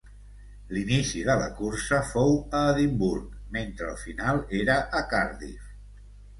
L'inici de la cursa fou a Edimburg, mentre el final era a Cardiff.